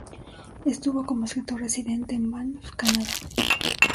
Estuvo como escritor residente en Banff, Canadá.